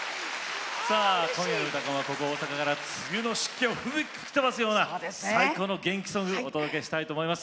さあ今夜の「うたコン」はここ大阪から梅雨の湿気を吹き飛ばすような最高の元気ソングお届けしたいと思います。